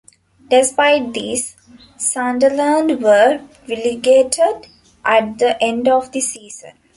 Despite this, Sunderland were relegated at the end of the season.